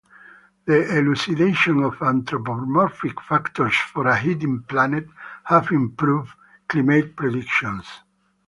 The elucidation of anthropomorphic factors for a heating planet have improved climate predictions.